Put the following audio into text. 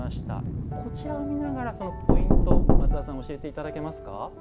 こちらを見ながらそのポイント松田さん教えていただけますか。